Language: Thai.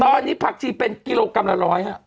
ตอนนี้ผักชีเป็นกิโลกรัมละร้อยฮะ